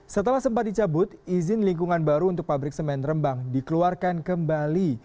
setelah sempat dicabut izin lingkungan baru untuk pabrik semen rembang dikeluarkan kembali